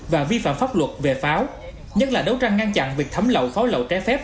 và vi phạm pháp luật về pháo nhất là đấu tranh ngăn chặn việc thấm lậu pháo lậu trái phép